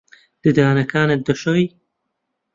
ددانەکانت دەشۆی؟